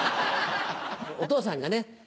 お父さんがね